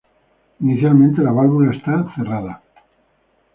Inicialmente la válvula está cerrada.